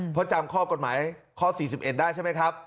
เพราะจำข้อกฎหมายข้อ๔๑ได้ใช่ไหมครับ